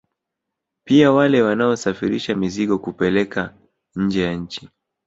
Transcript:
Pia wale wanaosafirisha mizigo kupeleka nje ya nchi